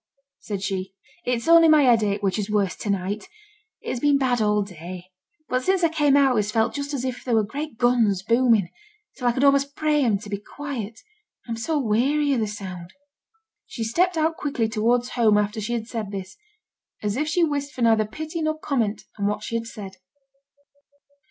said she, 'it's only my headache which is worse to night. It has been bad all day; but since I came out it has felt just as if there were great guns booming, till I could almost pray 'em to be quiet. I am so weary o' th' sound.' She stepped out quickly towards home after she had said this, as if she wished for neither pity nor comment on what she had said.